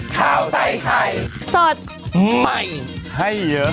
สวัสดีค่ะ